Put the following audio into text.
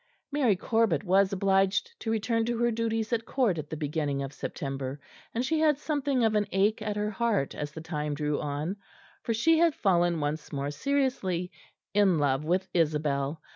Mary Corbet was obliged to return to her duties at Court at the beginning of September; and she had something of an ache at her heart as the time drew on; for she had fallen once more seriously in love with Isabel.